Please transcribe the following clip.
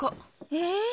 え！